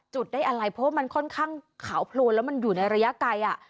จุดได้อะไรเพราะมันค่อนข้างขาวโพลนแล้วมันอยู่ในระยะไกล